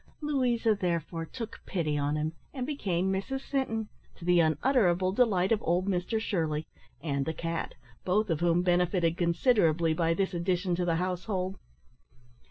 Louisa therefore took pity on him, and became Mrs Sinton, to the unutterable delight of old Mr Shirley and the cat, both of whom benefited considerably by this addition to the household.